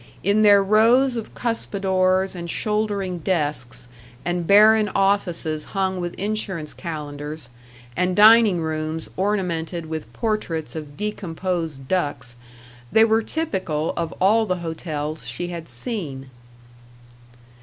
In their rows of cuspidors and shouldering desks, and barren offices hung with insurance calendars, and dining rooms ornamented with portraits of decomposed ducks, they were typical of all the hotels she had seen.